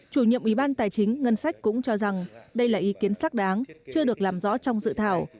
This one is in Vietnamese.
chủ nhiệm ủy ban tài chính ngân sách cũng cho rằng đây là ý kiến xác đáng chưa được làm rõ trong dự thảo